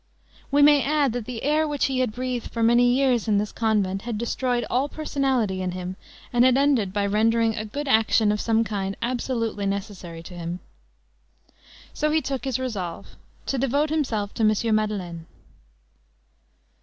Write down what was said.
We may add, that the air which he had breathed for many years in this convent had destroyed all personality in him, and had ended by rendering a good action of some kind absolutely necessary to him. So he took his resolve: to devote himself to M. Madeleine.